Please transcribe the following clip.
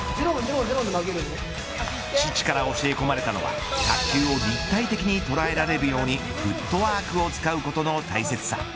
父から教え込まれたのは卓球を立体的に捉えられるようにフットワークを使うことの大切さ。